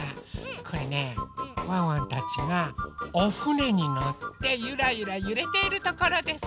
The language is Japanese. これねワンワンたちがおふねにのってゆらゆらゆれているところです。